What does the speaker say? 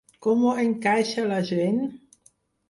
Com ho encaixa la gent?